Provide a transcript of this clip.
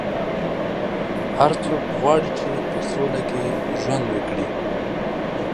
هر څوک غواړي چې په سوله کې ژوند وکړي.